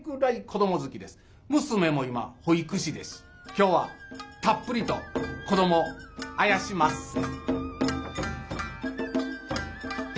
今日はたっぷりと子どもあやしまっせ。